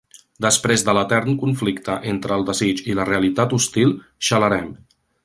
Després de l'etern conflicte entre el desig i la realitat hostil, xalarem.